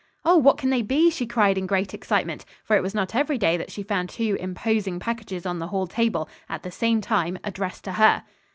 "Oh, what can they be?" she cried in great excitement, for it was not every day that she found two imposing packages on the hall table, at the same time, addressed to her.